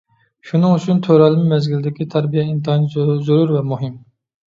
شۇنىڭ ئۈچۈن تۆرەلمە مەزگىلىدىكى تەربىيە ئىنتايىن زۆرۈر ۋە مۇھىم!